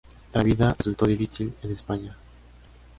La vida les resultó difícil en España.